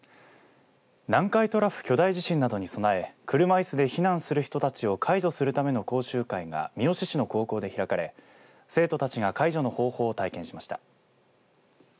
南海トラフ巨大地震などに備え車いすで避難する人たちを介助するための講習会が三好市の高校で開かれ生徒たちが介助の方法を体験しました。